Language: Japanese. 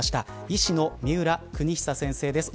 医師の三浦邦久先生です。